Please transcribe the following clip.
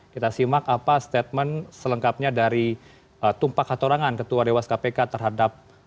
kita simak apa statement selengkapnya dari tumpak hatorangan ketua dewas kpk terhadap